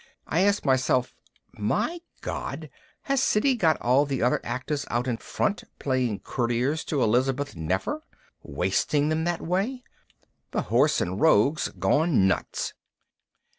I asked myself, _My God, has Siddy got all the other actors out in front playing courtiers to Elizabeth Nefer? Wasting them that way? The whoreson rogue's gone nuts!